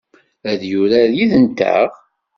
Ad yurar yid-nteɣ?